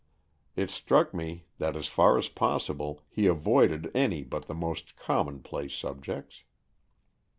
It struck me that as far as possible he avoided any but the most commonplace subjects.